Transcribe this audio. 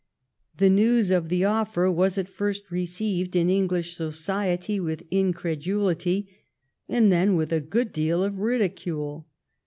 The news of the offer was at first received in English society with incredulity, and then with a good deal of ridicule.